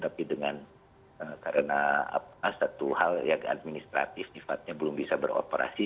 tapi dengan karena satu hal yang administratif sifatnya belum bisa beroperasi